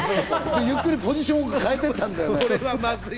ゆっくりポジションを変えていったんだよね。